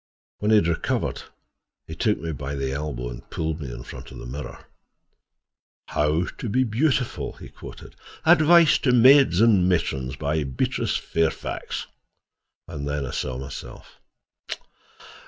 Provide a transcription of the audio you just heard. When he had recovered he took me by the elbow and pulled me in front of the mirror. "'How to be beautiful,'" he quoted. "'Advice to maids and matrons,' by Beatrice Fairfax!" And then I saw myself.